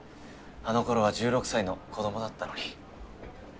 あの頃は１６歳の子どもだったのに。